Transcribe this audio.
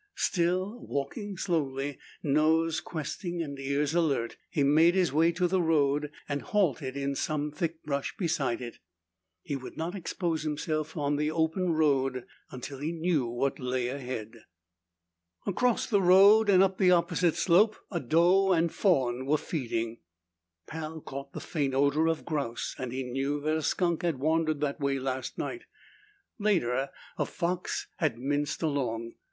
Still walking slowly, nose questing and ears alert, he made his way to the road and halted in some thick brush beside it. He would not expose himself on the open road until he knew what lay ahead. Across the road, and up the opposite slope, a doe and fawn were feeding. Pal caught the faint odor of grouse, and he knew that a skunk had wandered that way last night. Later, a fox had minced along.